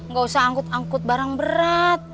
gak usah angkut angkut barang berat